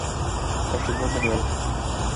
Castellón de nuevo.